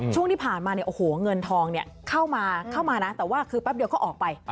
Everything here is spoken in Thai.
ช่วงที่ผ่านมาเนี่ยโอ้โหเงินทองเข้ามานะแต่ว่าคือแป๊บเดียวก็ออกไป